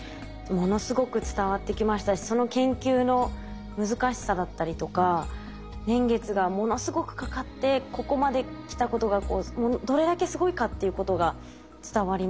ものすごく伝わってきましたしその研究の難しさだったりとか年月がものすごくかかってここまで来たことがどれだけすごいかっていうことが伝わりました。